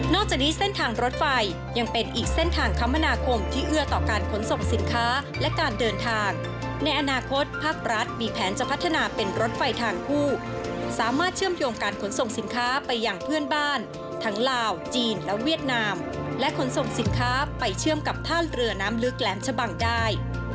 จากนี้เส้นทางรถไฟยังเป็นอีกเส้นทางคมนาคมที่เอื้อต่อการขนส่งสินค้าและการเดินทางในอนาคตภาครัฐมีแผนจะพัฒนาเป็นรถไฟทางคู่สามารถเชื่อมโยงการขนส่งสินค้าไปอย่างเพื่อนบ้านทั้งลาวจีนและเวียดนามและขนส่งสินค้าไปเชื่อมกับท่าเรือน้ำลึกแหลมชะบังได้